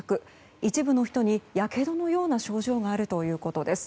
一部の人にやけどのような症状があるということです。